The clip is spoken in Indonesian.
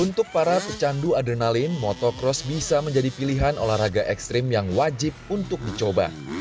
untuk para pecandu adrenalin motocross bisa menjadi pilihan olahraga ekstrim yang wajib untuk dicoba